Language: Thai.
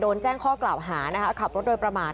แจ้งข้อกล่าวหานะคะขับรถโดยประมาท